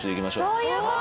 そういう事！